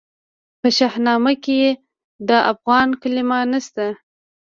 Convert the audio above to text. په شاهنامه کې د افغان کلمه نسته.